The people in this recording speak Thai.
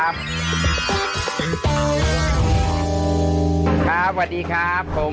ปู่พญานาคี่อยู่ในกล่อง